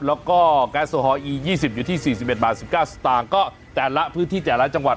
แล้วก็แก๊สโซฮอร์อียี่สิบอยู่ที่สี่สิบเอ็ดบาทสิบเก้าสตางค์ก็แต่ละพื้นที่แต่ละจังหวัด